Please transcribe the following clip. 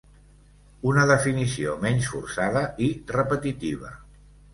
Una definició menys forçada i repetitiva.